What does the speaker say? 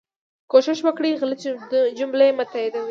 کوښښ وکړئ غلطي جملې مه تائیدوئ